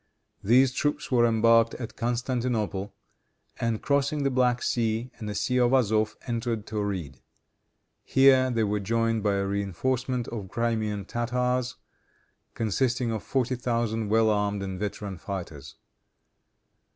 These troops were embarked at Constantinople, and, crossing the Black Sea and the Sea of Azof, entered Tauride. Here they were joined by a reinforcement of Crimean Tartars, consisting of forty thousand well armed and veteran fighters.